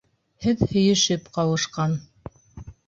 Һеҙ һөйөшөп ҡауышҡан.